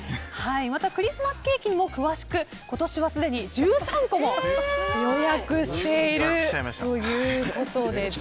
またクリスマスケーキも詳しく今年はすでに１３個も予約しているということです。